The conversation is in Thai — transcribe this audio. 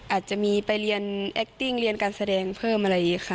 อาจจะมีไปเรียนแอคติ้งเรียนการแสดงเพิ่มอะไรอย่างนี้ค่ะ